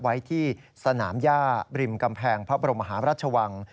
ไว้ที่สนามย่าริมกำแพงพระบรมหาราชวัง